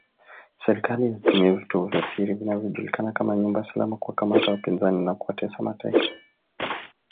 serikali inatumia vituo vya siri vinavyojulikana kama nyumba salama kuwakamata wapinzani na kuwatesa mateka